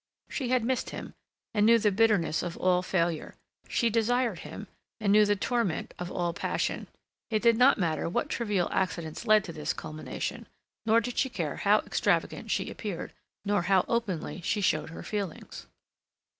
She had missed him, and knew the bitterness of all failure; she desired him, and knew the torment of all passion. It did not matter what trivial accidents led to this culmination. Nor did she care how extravagant she appeared, nor how openly she showed her feelings.